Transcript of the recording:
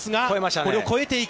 これを越えていく。